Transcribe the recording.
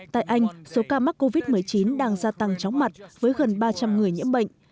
tại anh số ca mắc covid một mươi chín đang gia tăng chóng mặt với gần ba trăm linh người nhiễm bệnh